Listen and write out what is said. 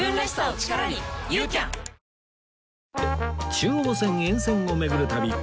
中央線沿線を巡る旅